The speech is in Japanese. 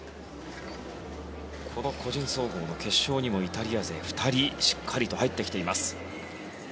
この個人総合の決勝にもイタリア勢は２人しっかりと入ってきています。